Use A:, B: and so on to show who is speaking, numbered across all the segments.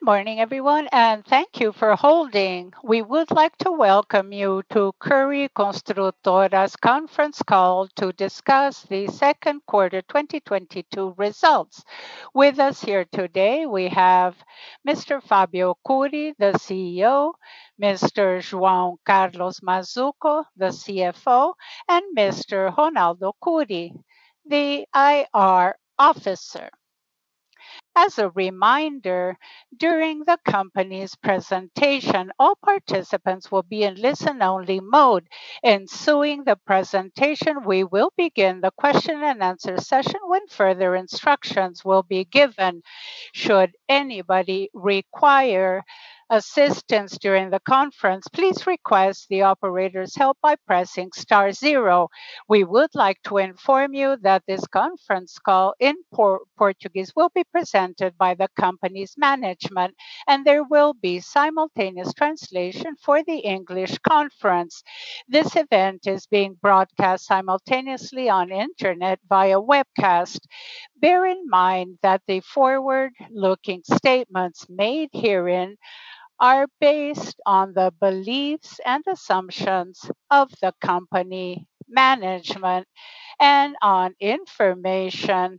A: Good morning everyone, and thank you for holding. We would like to welcome you to Cury Construtora's conference call to discuss the second quarter 2022 results. With us here today we have Mr. Fábio Cury, the CEO, Mr. João Carlos Mazzuco, the CFO, and Mr. Ronaldo Cury, the IR officer. As a reminder, during the company's presentation, all participants will be in listen-only mode. Ensuing the presentation, we will begin the question and answer session when further instructions will be given. Should anybody require assistance during the conference, please request the operator's help by pressing star zero. We would like to inform you that this conference call in Portuguese will be presented by the company's management, and there will be simultaneous translation for the English conference. This event is being broadcast simultaneously on internet via webcast. Bear in mind that the forward-looking statements made herein are based on the beliefs and assumptions of the company management and on information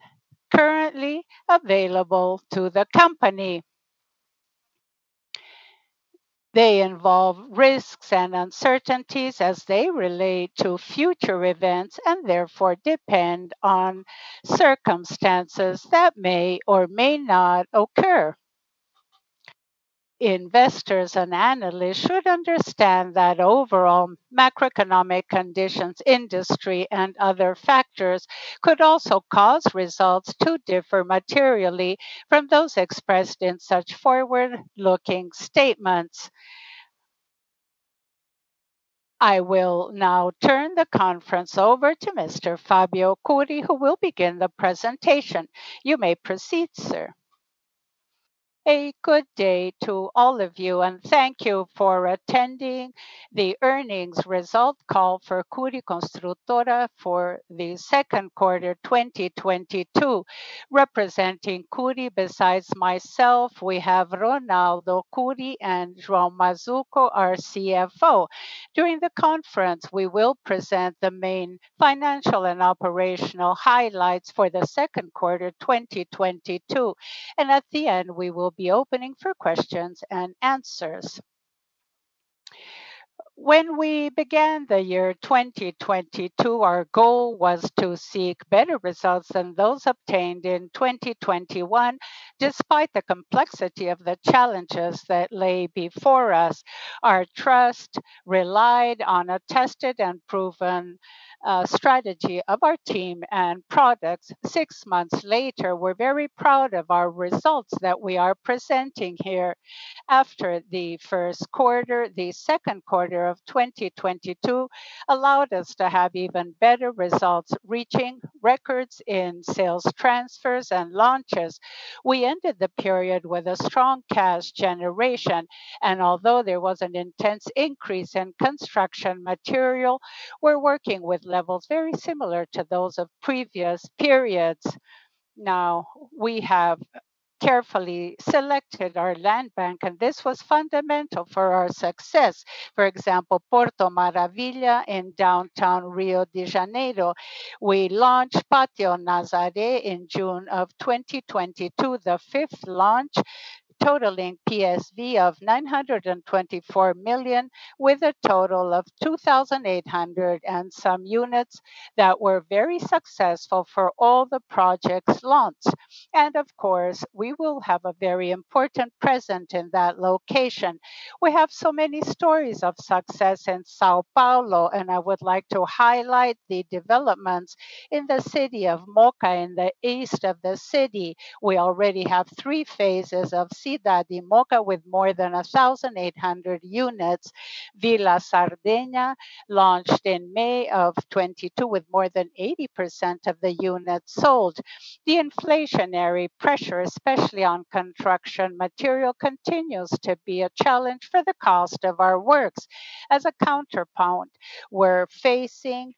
A: currently available to the company. They involve risks and uncertainties as they relate to future events, and therefore depend on circumstances that may or may not occur. Investors and analysts should understand that overall macroeconomic conditions, industry, and other factors could also cause results to differ materially from those expressed in such forward-looking statements. I will now turn the conference over to Mr. Fábio Cury, who will begin the presentation. You may proceed, sir.
B: A good day to all of you, and thank you for attending the earnings result call for Cury Construtora for the second quarter 2022. Representing Cury, besides myself, we have Ronaldo Cury and João Mazzuco, our CFO. During the conference, we will present the main financial and operational highlights for the second quarter 2022, and at the end we will be opening for questions and answers. When we began the year 2022, our goal was to seek better results than those obtained in 2021. Despite the complexity of the challenges that lay before us, our trust relied on a tested and proven strategy of our team and products. Six months later, we're very proud of our results that we are presenting here. After the first quarter, the second quarter of 2022 allowed us to have even better results, reaching records in sales transfers and launches. We ended the period with a strong cash generation, and although there was an intense increase in construction material, we're working with levels very similar to those of previous periods. Now, we have carefully selected our land bank, and this was fundamental for our success. For example, Porto Maravilha in downtown Rio de Janeiro. We launched Pátio Nazaré in June of 2022, the 5th launch totaling PSV of 924 million, with a total of 2,800 and some units that were very successful for all the projects launched. Of course, we will have a very important presence in that location. We have so many stories of success in São Paulo, and I would like to highlight the developments in the city of Mooca in the east of the city. We already have three phases of Cidade Mooca with more than 1,800 units. Villa Sardegna launched in May of 2022 with more than 80% of the units sold. The inflationary pressure, especially on construction material, continues to be a challenge for the cost of our works. As a counterpoint, we're facing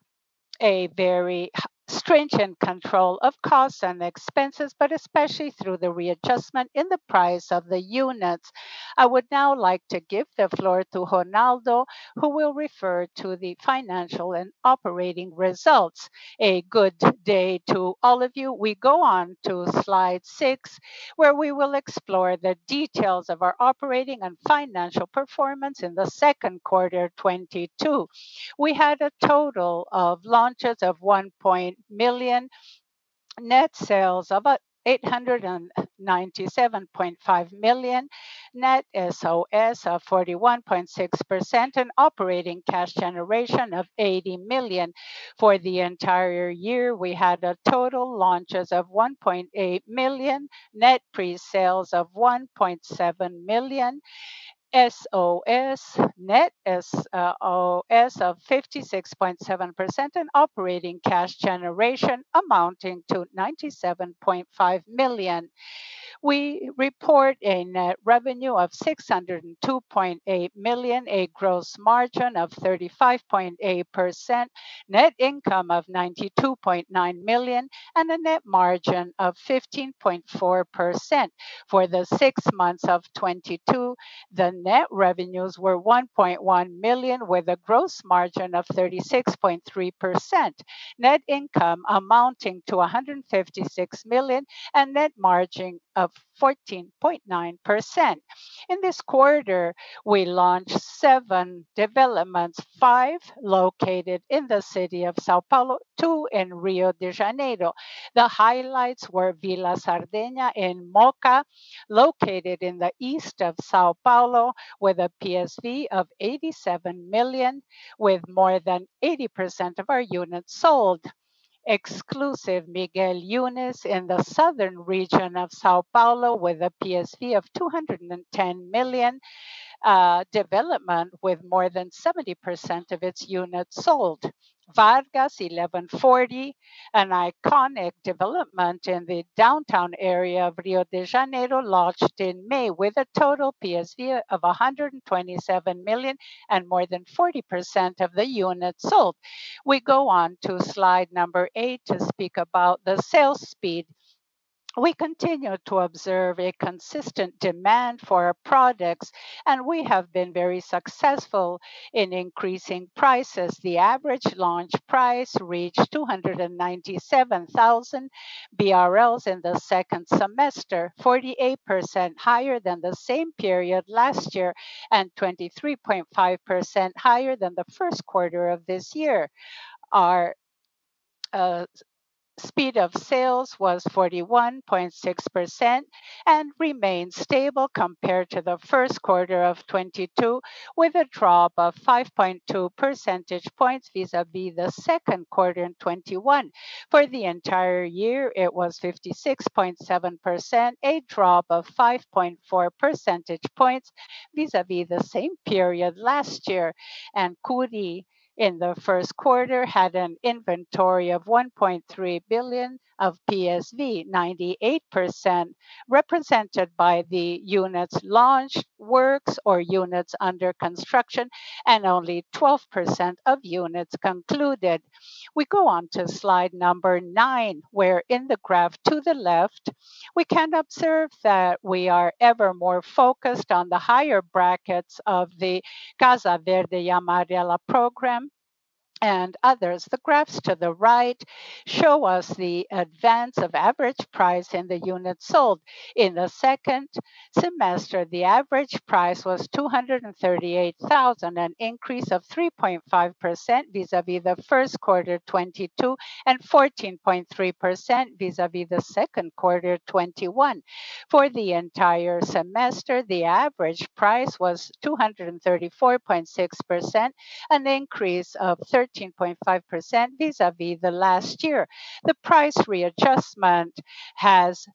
B: a very stringent control of costs and expenses, but especially through the readjustment in the price of the units. I would now like to give the floor to Ronaldo Cury, who will refer to the financial and operating results.
C: A good day to all of you. We go on to slide six, where we will explore the details of our operating and financial performance in the second quarter 2022. We had a total of launches of 1 million, net sales about 897.5 million, net SoS of 41.6%, and operating cash generation of 80 million. For the entire year, we had total launches of 1.8 million, net pre-sales of 1.7 million SoS net, SoS of 56.7% and operating cash generation amounting to 97.5 million. We report a net revenue of 602.8 million, a gross margin of 35.8%, net income of 92.9 million, and a net margin of 15.4%. For the six months of 2022, the net revenues were 1.1 million with a gross margin of 36.3%. Net income amounting to 156 million and net margin of 14.9%. In this quarter, we launched seven developments, five located in the city of São Paulo, two in Rio de Janeiro. The highlights were Villa Sardegna in Mooca, located in the east of São Paulo, with a PSV of 87 million with more than 80% of our units sold. Exclusive Miguel Yunes in the southern region of São Paulo with a PSV of 210 million, development with more than 70% of its units sold. Vargas 1140, an iconic development in the downtown area of Rio de Janeiro, launched in May with a total PSV of 127 million and more than 40% of the units sold. We go on to slide number eight to speak about the sales speed. We continue to observe a consistent demand for our products, and we have been very successful in increasing prices. The average launch price reached 297,000 BRL in the second semester, 48% higher than the same period last year, and 23.5% higher than the first quarter of this year. Our speed of sales was 41.6% and remained stable compared to the first quarter of 2022, with a drop of 5.2 percentage points vis-a-vis the second quarter in 2021. For the entire year, it was 56.7%, a drop of 5.4 percentage points vis-a-vis the same period last year. Cury, in the first quarter, had an inventory of 1.3 billion of PSV, 98% represented by the units launched, works or units under construction, and only 12% of units concluded. We go on to slide number nine, where in the graph to the left, we can observe that we are ever more focused on the higher brackets of the Casa Verde e Amarela program and others. The graphs to the right show us the advance of average price in the units sold. In the second semester, the average price was 238,000, an increase of 3.5% vis-à-vis the first quarter 2022, and 14.3% vis-à-vis the second quarter 2021. For the entire semester, the average price was BRL 234,600, an increase of 13.5% vis-à-vis the last year. The price readjustment has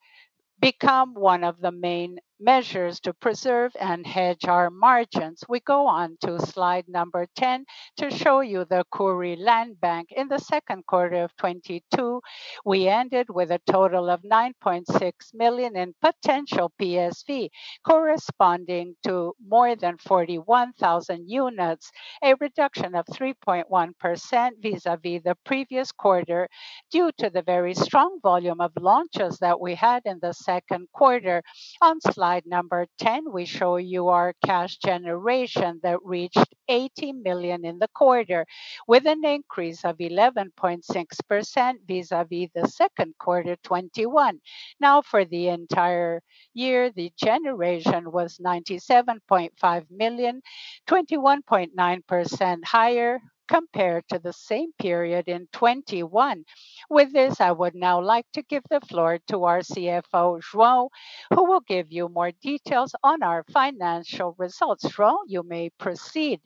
C: become one of the main measures to preserve and hedge our margins. We go on to slide number 10 to show you the Cury land bank. In the second quarter of 2022, we ended with a total of 9.6 million in potential PSV, corresponding to more than 41,000 units, a reduction of 3.1% vis-a-vis the previous quarter, due to the very strong volume of launches that we had in the second quarter. On slide number 10, we show you our cash generation that reached 80 million in the quarter, with an increase of 11.6% vis-a-vis the second quarter 2021. Now, for the entire year, the generation was 97.5 million, 21.9% higher compared to the same period in 2021. With this, I would now like to give the floor to our CFO, João, who will give you more details on our financial results. João, you may proceed.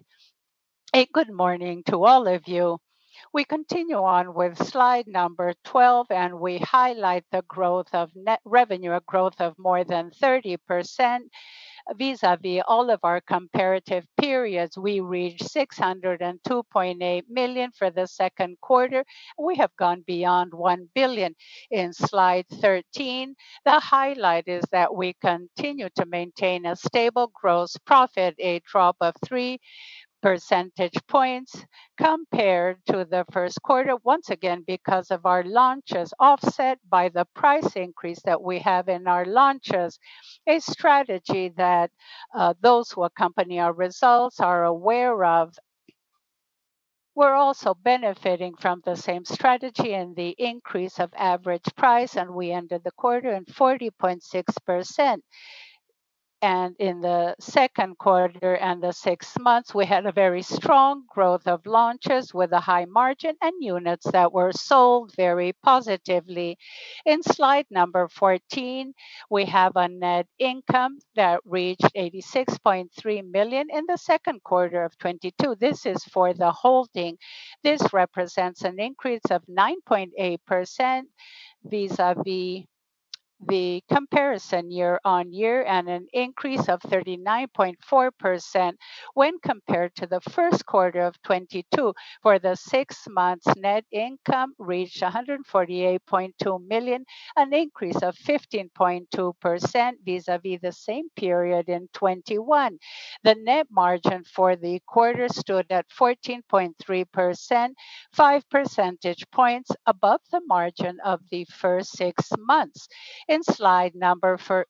D: A good morning to all of you. We continue on with slide number 12, and we highlight the growth of net revenue, a growth of more than 30% vis-a-vis all of our comparative periods. We reached 602.8 million for the second quarter. We have gone beyond 1 billion. In slide 13, the highlight is that we continue to maintain a stable gross profit, a drop of three percentage points compared to the first quarter. Once again, because of our launches offset by the price increase that we have in our launches, a strategy that those who accompany our results are aware of. We're also benefiting from the same strategy and the increase of average price, and we ended the quarter in 40.6%. In the second quarter and the six months, we had a very strong growth of launches with a high margin and units that were sold very positively. In slide number 14, we have a net income that reached 86.3 million in the second quarter of 2022. This is for the holding. This represents an increase of 9.8% vis-à-vis the comparison year-over-year and an increase of 39.4% when compared to the first quarter of 2022. For the six months, net income reached 148.2 million, an increase of 15.2% vis-à-vis the same period in 2021. The net margin for the quarter stood at 14.3%, five percentage points above the margin of the first six months. In slide number 14,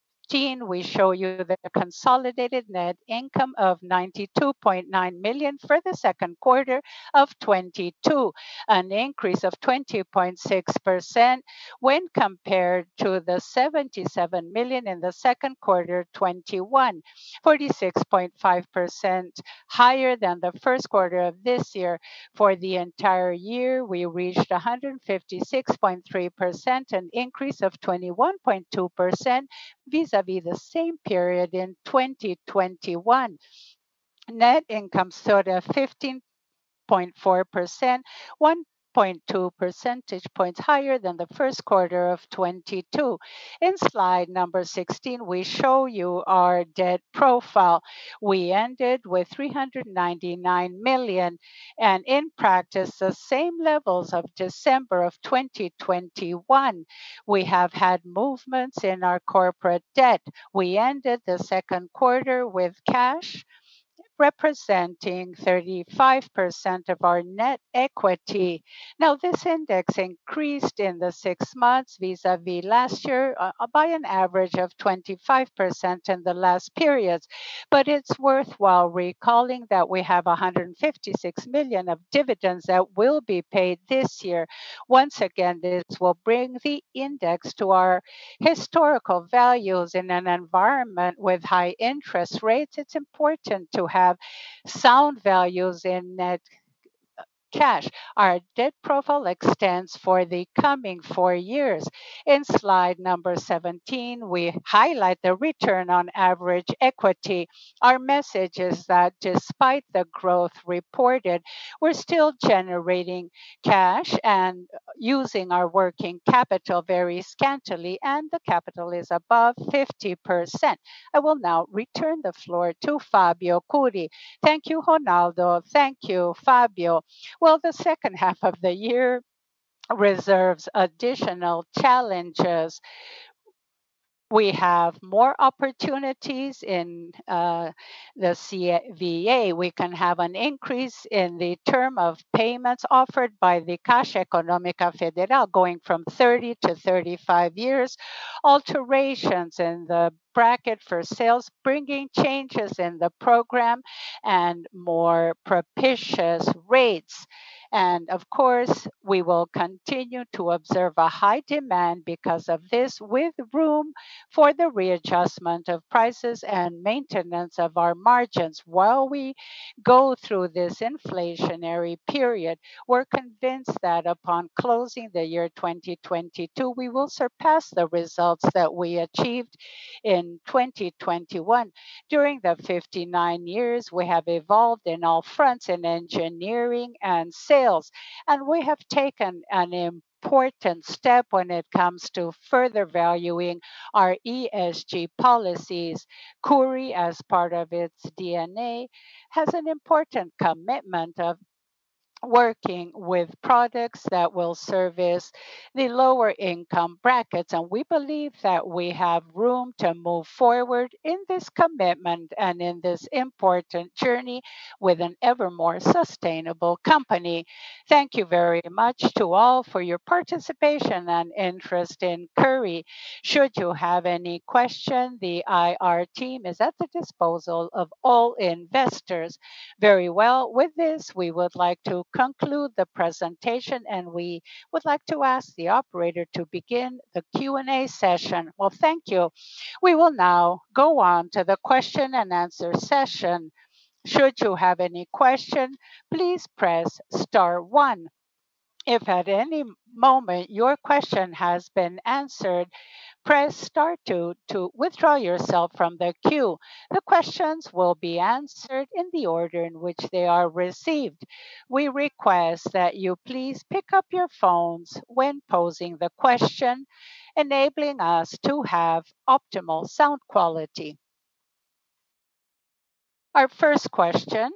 D: we show you the consolidated net income of 92.9 million for the second quarter of 2022, an increase of 20.6% when compared to the 77 million in the second quarter of 2021. 46.5% higher than the first quarter of this year. For the entire year, we reached 156.3%, an increase of 21.2% vis-a-vis the same period in 2021. Net income stood at 15.4%, 1.2 percentage points higher than the first quarter of 2022. In slide number 16, we show you our debt profile. We ended with 399 million, and in practice, the same levels of December of 2021. We have had movements in our corporate debt. We ended the second quarter with cash representing 35% of our net equity. Now, this index increased in the six months vis-a-vis last year by an average of 25% in the last periods. It's worthwhile recalling that we have 156 million of dividends that will be paid this year. Once again, this will bring the index to our historical values. In an environment with high interest rates, it's important to have sound values in net cash. Our debt profile extends for the coming four years. In slide number 17, we highlight the return on average equity. Our message is that despite the growth reported, we're still generating cash and using our working capital very scantily, and the capital is above 50%. I will now return the floor to Fábio Cury. Thank you, Ronaldo Cury. Thank you, Fábio Cury.
B: Well, the second half of the year reserves additional challenges. We have more opportunities in the CVA. We can have an increase in the term of payments offered by the Caixa Econômica Federal, going from 30-35 years, alterations in the bracket for sales, bringing changes in the program and more propitious rates. Of course, we will continue to observe a high demand because of this, with room for the readjustment of prices and maintenance of our margins. While we go through this inflationary period, we're convinced that upon closing the year 2022, we will surpass the results that we achieved in 2021. During the 59 years, we have evolved in all fronts, in engineering and sales, and we have taken an important step when it comes to further valuing our ESG policies. Cury, as part of its DNA, has an important commitment of working with products that will service the lower income brackets, and we believe that we have room to move forward in this commitment and in this important journey with an ever more sustainable company. Thank you very much to all for your participation and interest in Cury. Should you have any question, the IR team is at the disposal of all investors. Very well. With this, we would like to conclude the presentation, and we would like to ask the operator to begin the Q&A session.
A: Well, thank you. We will now go on to the question and answer session. Should you have any question, please press star one. If at any moment your question has been answered, press star two to withdraw yourself from the queue. The questions will be answered in the order in which they are received. We request that you please pick up your phones when posing the question, enabling us to have optimal sound quality. Our first question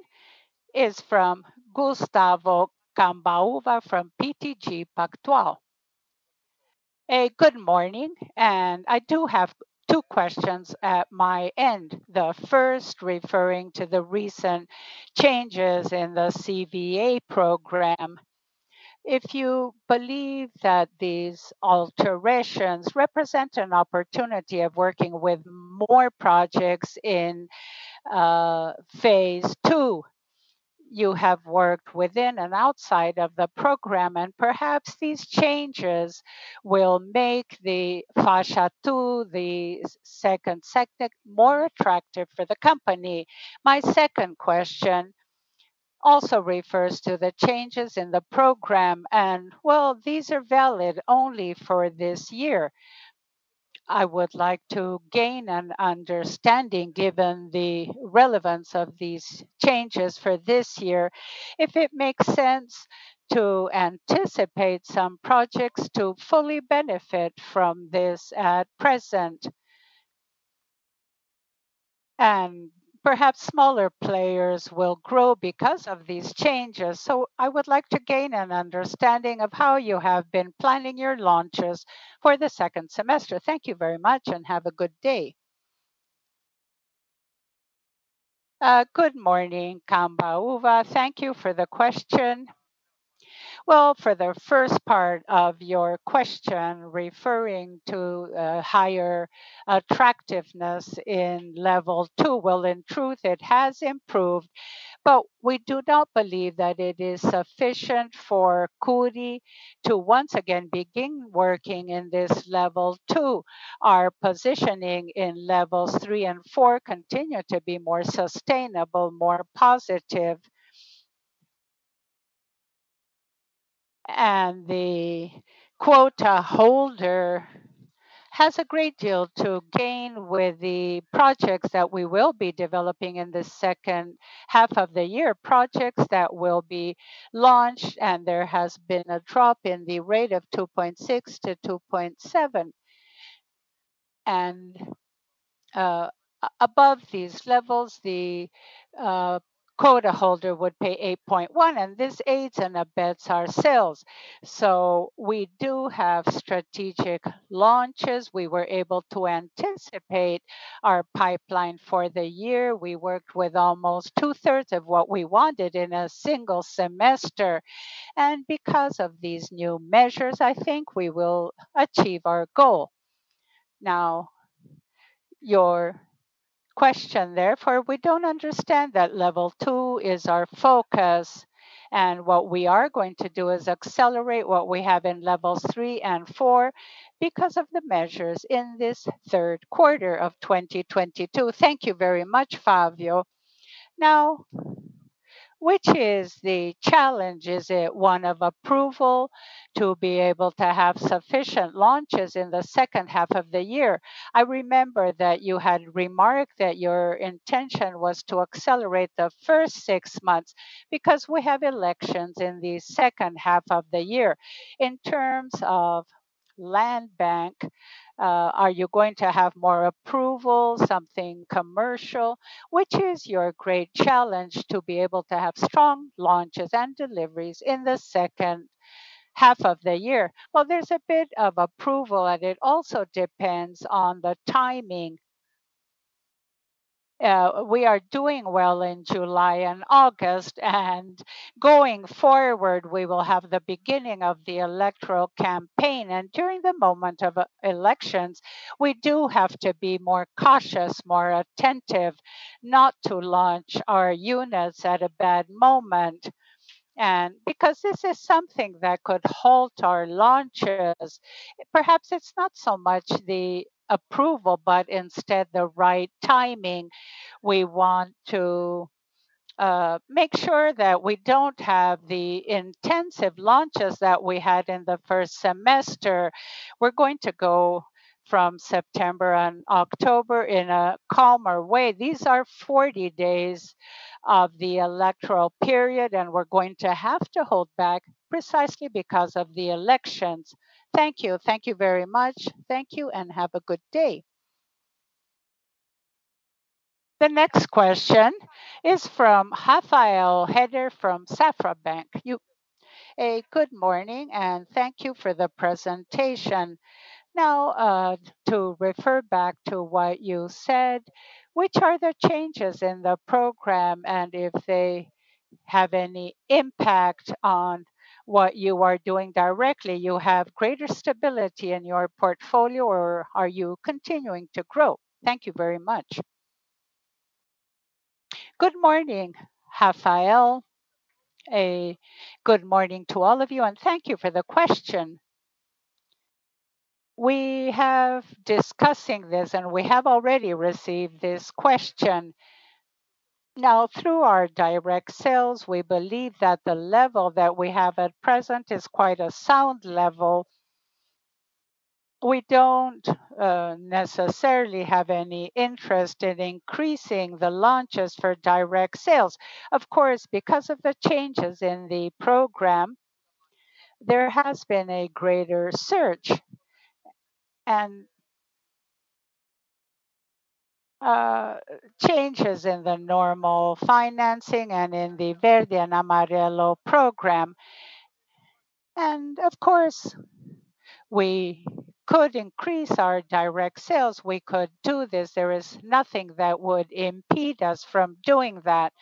A: is from Gustavo Cambauva from BTG Pactual.
E: Good morning, and I do have two questions at my end. The first referring to the recent changes in the CVA program. If you believe that these alterations represent an opportunity of working with more projects in Phase 2. You have worked within and outside of the program, and perhaps these changes will make the Faixa 2, the second sector, more attractive for the company. My second question also refers to the changes in the program, and, well, these are valid only for this year. I would like to gain an understanding, given the relevance of these changes for this year, if it makes sense to anticipate some projects to fully benefit from this at present. Perhaps smaller players will grow because of these changes. I would like to gain an understanding of how you have been planning your launches for the second semester. Thank you very much, and have a good day.
B: Good morning, Cambauva. Thank you for the question. Well, for the first part of your question referring to higher attractiveness in level 2. Well, in truth, it has improved, but we do not believe that it is sufficient for Cury to once again begin working in this level 2. Our positioning in levels 3 and 4 continue to be more sustainable, more positive. The quota holder has a great deal to gain with the projects that we will be developing in the second half of the year. Projects that will be launched, and there has been a drop in the rate of 2.6-2.7. Above these levels, the quota holder would pay 8.1, and this aids and abets our sales. We do have strategic launches. We were able to anticipate our pipeline for the year. We worked with almost 2/3 of what we wanted in a single semester. Because of these new measures, I think we will achieve our goal. Now, your question, therefore, we don't understand that level 2 is our focus, and what we are going to do is accelerate what we have in levels 3 and 4 because of the measures in this third quarter of 2022.
E: Thank you very much, Fábio. Now, which is the challenge? Is it one of approval to be able to have sufficient launches in the second half of the year? I remember that you had remarked that your intention was to accelerate the first six months because we have elections in the second half of the year. In terms of land bank, are you going to have more approval, something commercial? Which is your great challenge to be able to have strong launches and deliveries in the second half of the year?
B: Well, there's a bit of approval, and it also depends on the timing. We are doing well in July and August, and going forward, we will have the beginning of the electoral campaign. During the moment of elections, we do have to be more cautious, more attentive not to launch our units at a bad moment, and because this is something that could halt our launches. Perhaps it's not so much the approval, but instead the right timing. We want to make sure that we don't have the intensive launches that we had in the first semester. We're going to go from September and October in a calmer way. These are 40 days of the electoral period, and we're going to have to hold back precisely because of the elections. Thank you.
E: Thank you very much.
A: Thank you, and have a good day. The next question is from Rafael Rehder from Safra Bank.
F: Good morning, and thank you for the presentation. Now, to refer back to what you said, which are the changes in the program, and if they have any impact on what you are doing directly? You have greater stability in your portfolio, or are you continuing to grow? Thank you very much.
B: Good morning, Rafael. Good morning to all of you, and thank you for the question. We have been discussing this, and we have already received this question. Now, through our direct sales, we believe that the level that we have at present is quite a sound level. We don't necessarily have any interest in increasing the launches for direct sales. Of course, because of the changes in the program, there has been a greater search and changes in the normal financing and in the Verde e Amarela program. Of course, we could increase our direct sales. We could do this. There is nothing that would impede us from doing that.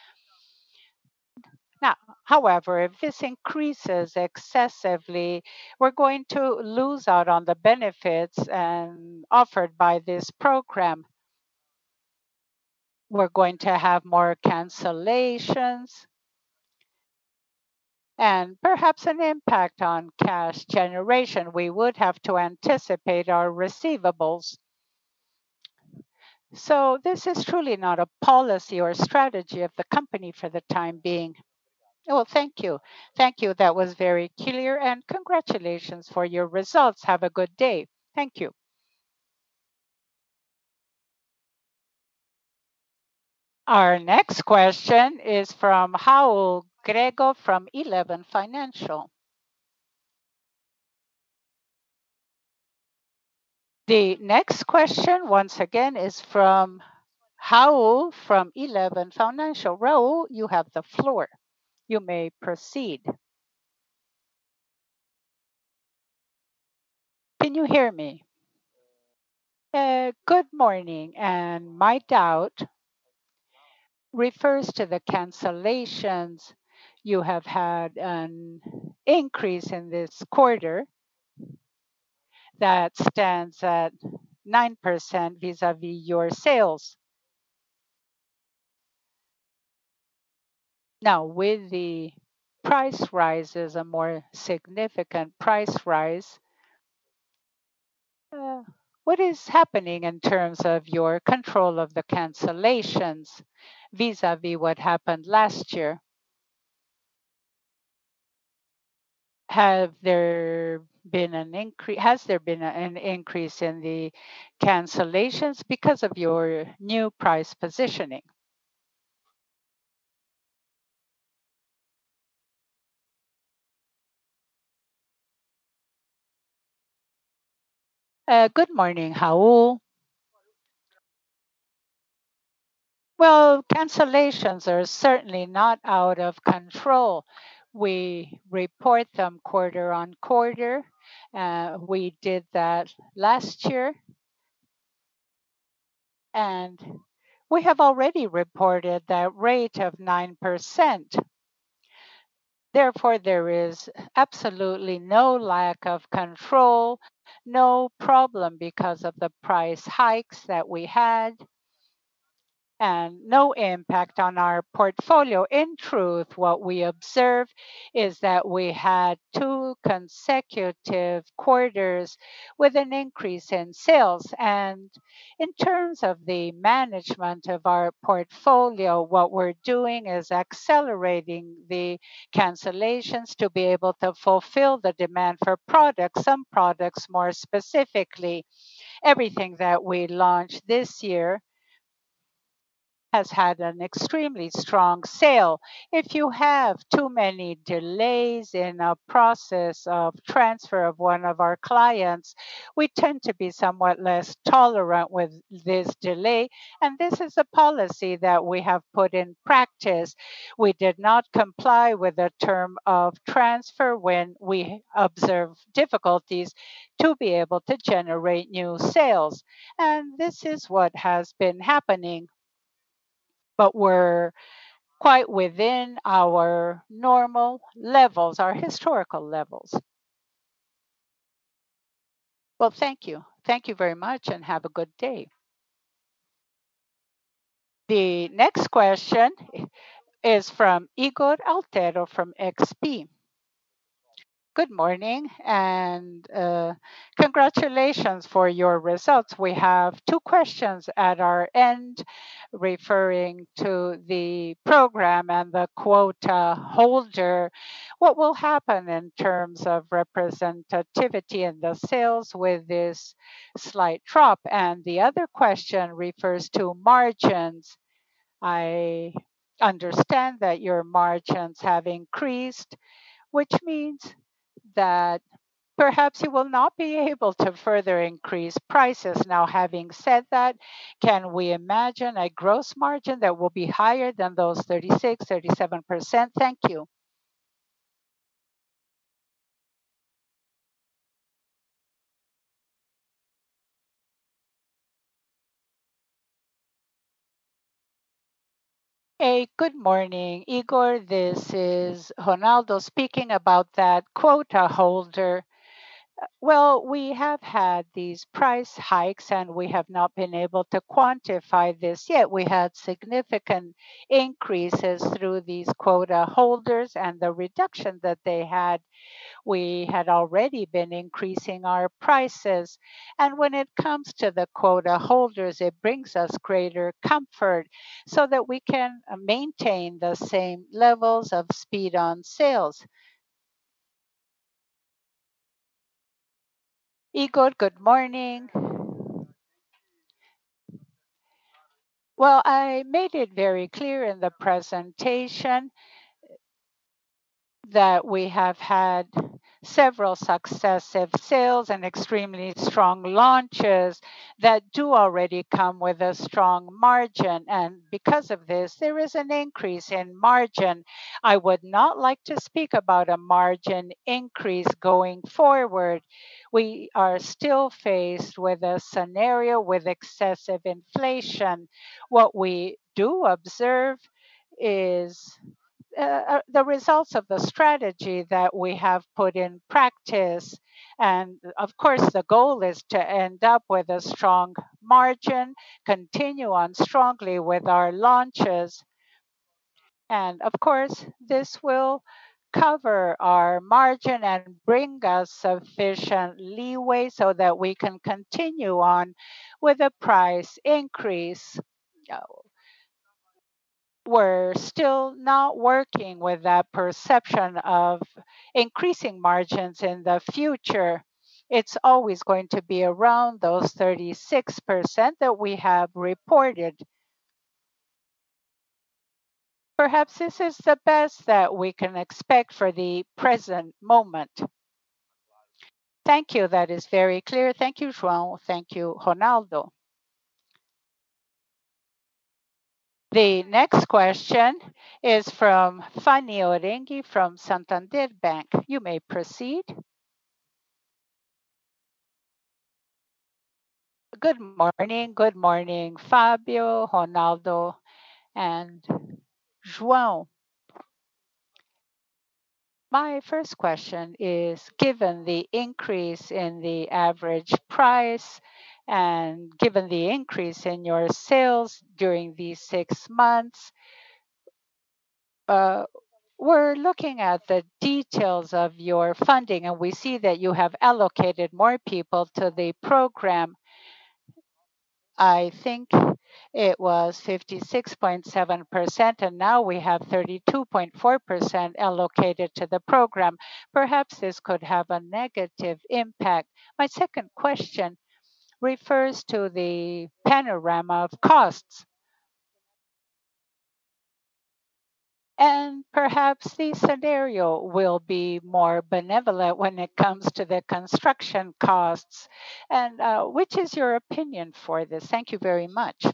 B: Now, however, if this increases excessively, we're going to lose out on the benefits offered by this program. We're going to have more cancellations and perhaps an impact on cash generation. We would have to anticipate our receivables. This is truly not a policy or strategy of the company for the time being.
F: Well, thank you. Thank you. That was very clear, and congratulations for your results. Have a good day.
B: Thank you.
A: Our next question is from Raul Grego from Eleven Financial. The next question, once again, is from Raul Grego from Eleven Financial. Raul, you have the floor. You may proceed.
G: Can you hear me? Good morning, and my doubt refers to the cancellations. You have had an increase in this quarter that stands at 9% vis-à-vis your sales. Now, with the price rises, a more significant price rise, what is happening in terms of your control of the cancellations vis-à-vis what happened last year? Has there been an increase in the cancellations because of your new price positioning?
D: Good morning, Raul. Well, cancellations are certainly not out of control. We report them quarter-over-quarter. We did that last year. We have already reported that rate of 9%. Therefore, there is absolutely no lack of control, no problem because of the price hikes that we had, and no impact on our portfolio. In truth, what we observed is that we had two consecutive quarters with an increase in sales. In terms of the management of our portfolio, what we're doing is accelerating the cancellations to be able to fulfill the demand for products. Some products, more specifically, everything that we launched this year has had an extremely strong sale. If you have too many delays in a process of transfer of one of our clients, we tend to be somewhat less tolerant with this delay. This is a policy that we have put in practice. We did not comply with the term of transfer when we observed difficulties to be able to generate new sales. This is what has been happening. But we're quite within our normal levels, our historical levels.
G: Well, thank you.
D: Thank you very much, and have a good day.
A: The next question is from Ygor Altero from XP. Good morning, and, congratulations for your results.
H: We have two questions at our end referring to the program and the quota holder. What will happen in terms of representativity in the sales with this slight drop? The other question refers to margins. I understand that your margins have increased, which means that perhaps you will not be able to further increase prices. Now, having said that, can we imagine a gross margin that will be higher than those 36%-37%? Thank you.
C: Hey, good morning, Ygor. This is Ronaldo speaking. About that quota holder, well, we have had these price hikes, and we have not been able to quantify this yet. We had significant increases through these quota holders and the reduction that they had. We had already been increasing our prices. When it comes to the quota holders, it brings us greater comfort so that we can maintain the same levels of speed of sales.
D: Ygor, good morning. Well, I made it very clear in the presentation that we have had several successive sales and extremely strong launches that do already come with a strong margin. Because of this, there is an increase in margin. I would not like to speak about a margin increase going forward. We are still faced with a scenario with excessive inflation. What we do observe is, the results of the strategy that we have put in practice. Of course, the goal is to end up with a strong margin, continue on strongly with our launches. Of course, this will cover our margin and bring us sufficient leeway so that we can continue on with a price increase. We're still not working with that perception of increasing margins in the future. It's always going to be around those 36% that we have reported. Perhaps this is the best that we can expect for the present moment.
H: Thank you. That is very clear. Thank you, João. Thank you, Ronaldo.
A: The next question is from Fanny Oreng from Santander. You may proceed.
I: Good morning. Good morning, Fábio, Ronaldo, and João. My first question is, given the increase in the average price and given the increase in your sales during these six months, we're looking at the details of your funding, and we see that you have allocated more capital to the program. I think it was 56.7%, and now we have 32.4% allocated to the program. Perhaps this could have a negative impact. My second question refers to the panorama of costs. Perhaps the scenario will be more benevolent when it comes to the construction costs. Which is your opinion for this? Thank you very much.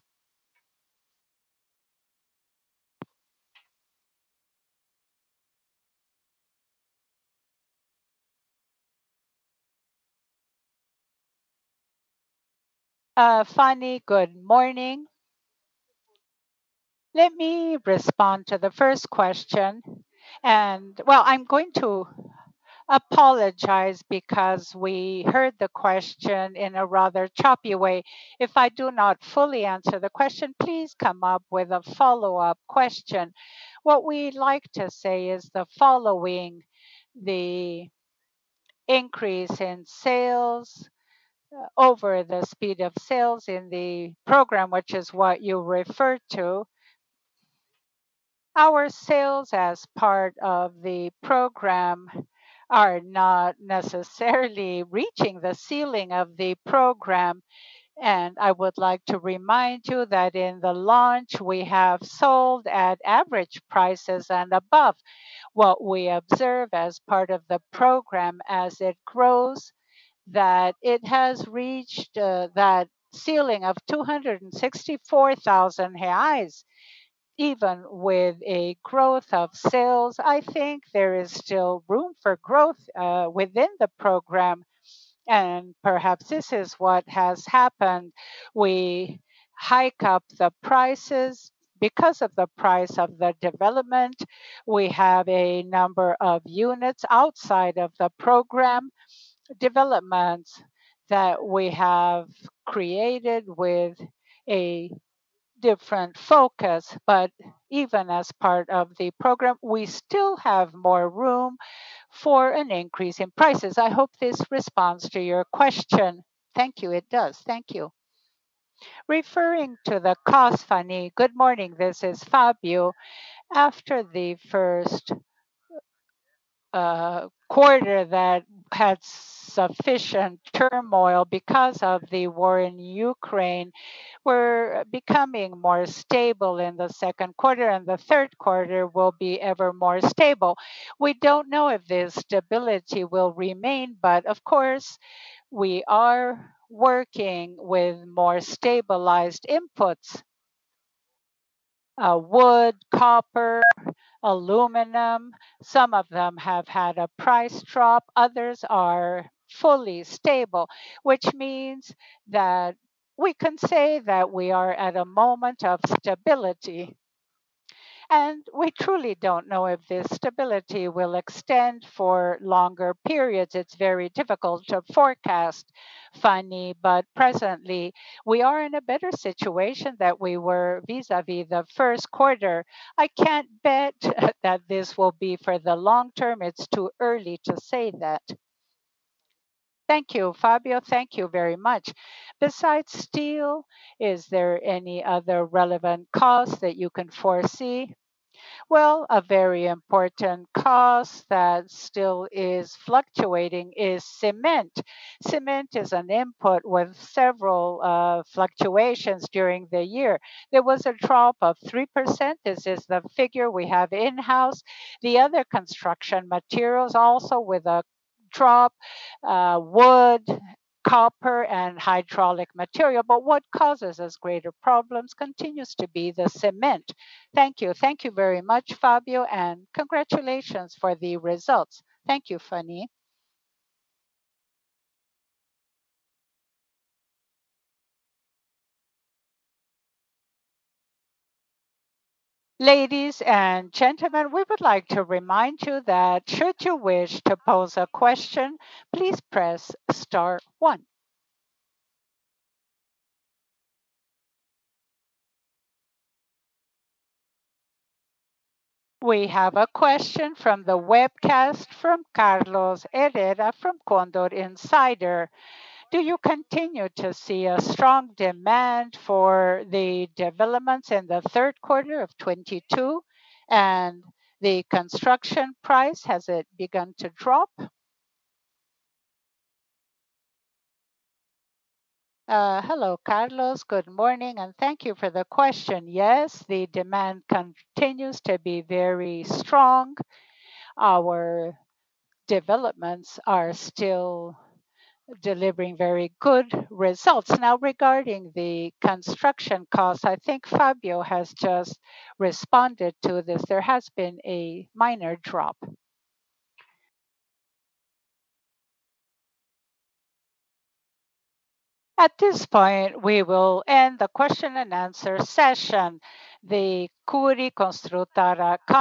D: Fanny Oreng, good morning. Let me respond to the first question. Well, I'm going to apologize because we heard the question in a rather choppy way. If I do not fully answer the question, please come up with a follow-up question. What we like to say is the following: the increase in sales over the speed of sales in the program, which is what you referred to, our sales as part of the program are not necessarily reaching the ceiling of the program. I would like to remind you that in the launch, we have sold at average prices and above what we observe as part of the program as it grows, that it has reached, that ceiling of 264,000 reais. Even with a growth of sales, I think there is still room for growth, within the program, and perhaps this is what has happened. We hike up the prices. Because of the price of the development, we have a number of units outside of the program developments that we have created with a different focus. Even as part of the program, we still have more room for an increase in prices. I hope this responds to your question.
I: Thank you. It does.
D: Thank you.
B: Referring to the cost, Fanny. Good morning, this is Fábio. After the first quarter that had sufficient turmoil because of the war in Ukraine, we're becoming more stable in the second quarter, and the third quarter will be ever more stable. We don't know if this stability will remain, but of course, we are working with more stabilized inputs. Wood, copper, aluminum, some of them have had a price drop, others are fully stable, which means that we can say that we are at a moment of stability. We truly don't know if this stability will extend for longer periods. It's very difficult to forecast, Fanny, but presently, we are in a better situation than we were vis-à-vis the first quarter. I can't bet that this will be for the long term. It's too early to say that.
I: Thank you, Fábio.
B: Thank you very much.
I: Besides steel, is there any other relevant cost that you can foresee?
B: Well, a very important cost that still is fluctuating is cement. Cement is an input with several fluctuations during the year. There was a drop of 3%. This is the figure we have in-house. The other construction materials also with a drop, wood, copper, and hydraulic material. But what causes us greater problems continues to be the cement. Thank you.
I: Thank you very much, Fábio, and congratulations for the results.
B: Thank you, Fanny.
A: Ladies and gentlemen, we would like to remind you that should you wish to pose a question, please press star one. We have a question from the webcast from Carlos Herrera from Condor Insider.
J: Do you continue to see a strong demand for the developments in the third quarter of 2022? And the construction price, has it begun to drop?
C: Hello, Carlos. Good morning, and thank you for the question. Yes, the demand continues to be very strong. Our developments are still delivering very good results. Now, regarding the construction cost, I think Fábio has just responded to this. There has been a minor drop.
A: At this point, we will end the question and answer session. The Cury Construtora com-